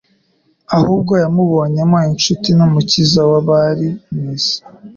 ahubwo yamubonyemo inshuti n'Umukiza w'abari mu isi.